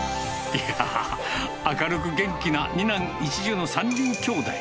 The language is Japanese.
いやー、明るく元気な２男１女の３人きょうだい。